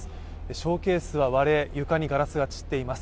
ショーケースは割れ床にガラスが散っています。